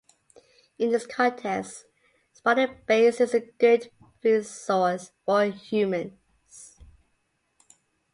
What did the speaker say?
In this context Spotted bass is a good food source for humans.